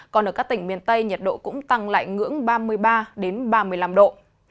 còn ở các tỉnh miền tây nhiệt độ cũng tăng lại ngưỡng ba mươi ba ba mươi năm độ